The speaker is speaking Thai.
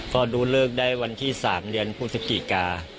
ก็ดูเลิกได้วันที่๓เดือนพฤศจิกา